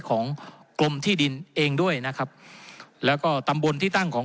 ของกรมที่ดินเองด้วยนะครับแล้วก็ตำบลที่ตั้งของ